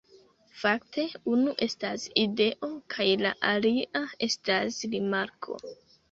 Fakte, unu estas ideo kaj la alia estas rimarko